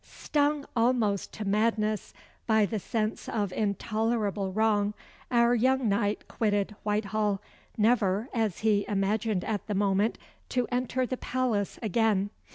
Stung almost to madness by the sense of intolerable wrong, our young knight quitted Whitehall, never, as he imagined at the moment, to enter the palace again.